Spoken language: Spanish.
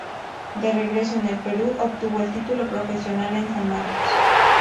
De regreso en el Perú obtuvo el título profesional en San Marcos.